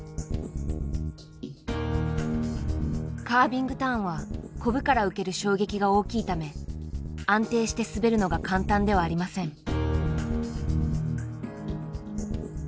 カービングターンはコブから受ける衝撃が大きいため安定して滑るのが簡単ではありません。